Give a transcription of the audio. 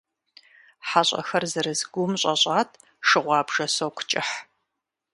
ХьэщӀэхэр зэрыс гум щӀэщӀат шы гъуабжэ соку кӀыхь.